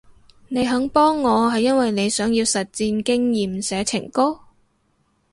你肯幫我係因為你想要實戰經驗寫情歌？